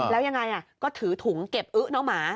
แล้วยังไงก็ถือถุงเก็บอึ๊น้องหมา